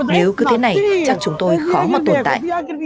nếu cứ thế này chắc chúng tôi khó mà tồn tại